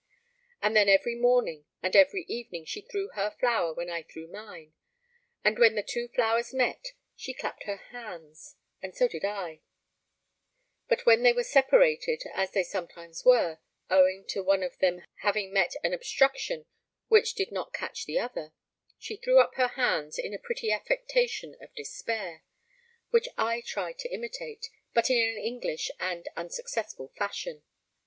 And then every morning and every evening she threw her flower when I threw mine, and when the two flowers met she clapped her hands, and so did I; but when they were separated, as they sometimes were, owing to one of them having met an obstruction which did not catch the other, she threw up her hands in a pretty affectation of despair, which I tried to imitate but in an English and unsuccessful fashion.